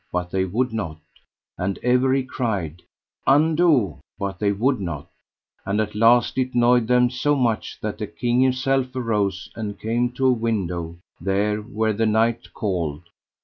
But they would not. And ever he cried: Undo; but they would not. And at last it noyed them so much that the king himself arose and came to a window there where the knight called.